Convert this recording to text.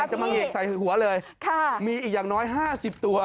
จะมาเงกใส่หัวเลยมีอีกอย่างน้อย๕๐ตัว